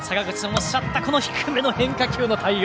おっしゃったこの低めの変化球への対応。